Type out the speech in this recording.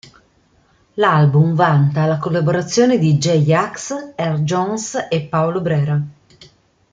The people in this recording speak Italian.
L'album vanta le collaborazioni di J-Ax, R. Jones e Paolo Brera.